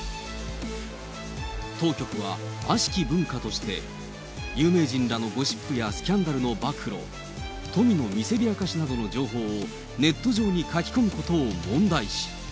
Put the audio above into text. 当局は、悪しき文化として、有名人らのゴシップやスキャンダルの暴露、富の見せびらかしの情報をネット上に書き込むことを問題視。